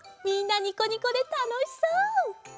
みんなニコニコでたのしそう！